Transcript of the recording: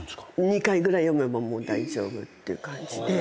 ２回ぐらい読めばもう大丈夫っていう感じで。